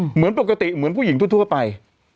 เหมือนปกติเหมือนผู้หญิงทั่วไป